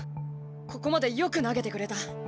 ここまでよく投げてくれた。